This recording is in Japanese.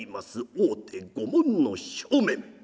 大手御門の正面。